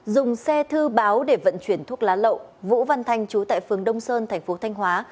dùng xe thư báo để vận chuyển thuốc lá lậu vũ văn thanh chú tại phường đông sơn thành phố thanh hóa